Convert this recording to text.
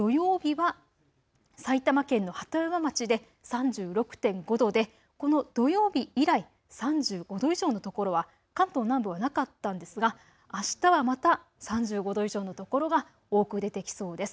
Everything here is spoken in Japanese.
土曜日は埼玉県の鳩山町で３６．５度でこの土曜日以来３５度以上の所は関東南部はなかったんですが、あしたはまた３５度以上の所が多く出てきそうです。